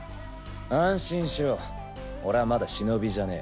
安心しろ俺はまだ忍じゃねえ。